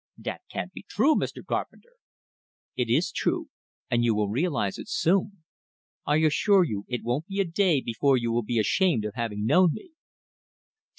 "Dat can't be true, Mr. Carpenter!" "It is true, and you will realize it soon. I assure you, it won't be a day before you will be ashamed of having known me."